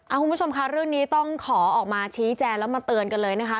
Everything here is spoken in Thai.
คุณผู้ชมค่ะเรื่องนี้ต้องขอออกมาชี้แจงแล้วมาเตือนกันเลยนะคะ